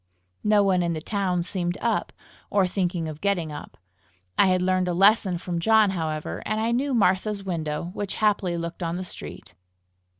No one in the town seemed up, or thinking of getting up. I had learned a lesson from John, however, and I knew Martha's window, which happily looked on the street.